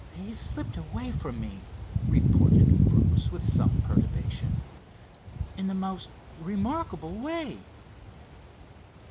"He slipped away from me," reported Bruce with some perturbation, "in the most remarkable way."